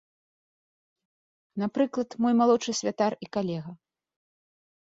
Напрыклад, мой малодшы святар і калега.